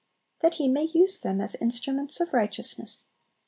That He may use them as instruments of righteousness.